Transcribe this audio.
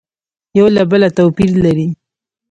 یو له بله تو پیر لري